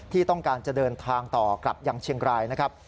ที่ต้องการจะเดินทางต่อกลับยังเชียงรายนะครับ